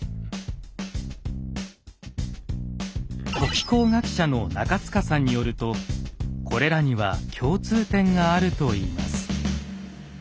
古気候学者の中塚さんによるとこれらには共通点があるといいます。